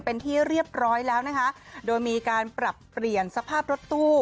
เป็นที่เรียบร้อยแล้วนะคะโดยมีการปรับเปลี่ยนสภาพรถตู้